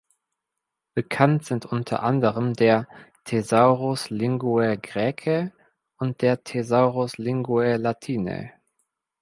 Bekannt sind unter anderem der "Thesaurus Linguae Graecae" und der "Thesaurus Linguae Latinae".